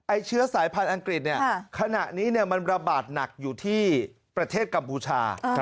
เชื้อสายพันธุ์อังกฤษขณะนี้มันระบาดหนักอยู่ที่ประเทศกัมพูชา